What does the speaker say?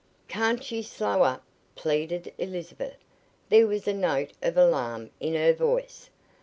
"Can't you slow up?" pleaded Elizabeth. There was a note of alarm in her voice.